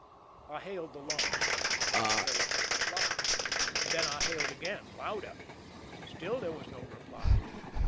I hailed the launch. There was no reply. Then I hailed again, louder. StiU there was no reply.